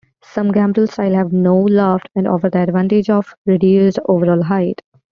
Some Gambrel-styles have no loft and offer the advantage of reduced overall height.